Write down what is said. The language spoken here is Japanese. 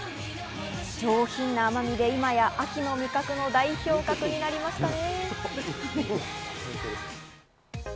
上品な甘みで今や秋の味覚の代表格になりましたね。